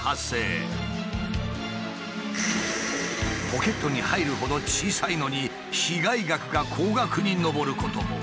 ポケットに入るほど小さいのに被害額が高額に上ることも。